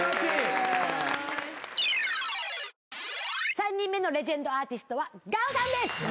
３人目のレジェンドアーティストはＧＡＯさんです！